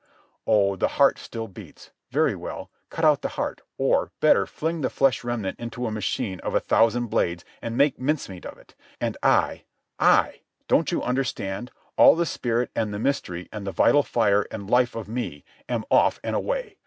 Oh, the heart still beats. Very well. Cut out the heart, or, better, fling the flesh remnant into a machine of a thousand blades and make mincemeat of it—and I, I, don't you understand, all the spirit and the mystery and the vital fire and life of me, am off and away.